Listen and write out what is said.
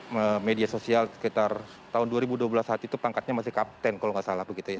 media sosial sekitar tahun dua ribu dua belas saat itu pangkatnya masih kapten kalau nggak salah begitu ya